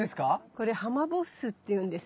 これハマボッスっていうんです。